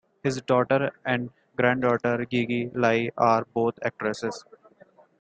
His daughter and granddaughter Gigi Lai are both actresses.